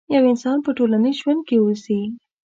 يو انسان په ټولنيز ژوند کې اوسي.